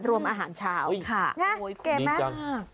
รวมอาหารเช้าค่ะไงโอ้ยเก่งจังอืม